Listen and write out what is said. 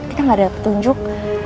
kita nggak ada petunjuk